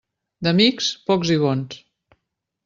D'amics, pocs i bons.